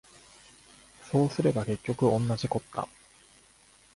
そうすれば結局おんなじこった